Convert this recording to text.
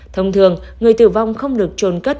thông thường người tử vong không được trôn cất